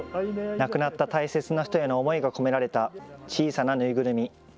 亡くなった大切な人への思いが込められた小さな縫いぐるみ。